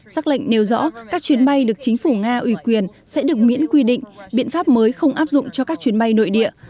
xác lệnh nêu rõ các chuyến bay được chính phủ nga ủy quyền sẽ được miễn quy định biện pháp mới không áp dụng cho các chuyến bay nội địa